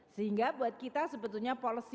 sehingga buat kita sebetulnya policy